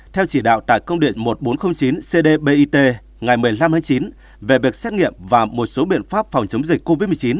theo chỉ đạo tại công điện một nghìn bốn trăm linh chín cdbit ngày một mươi năm tháng chín về việc xét nghiệm và một số biện pháp phòng chống dịch covid một mươi chín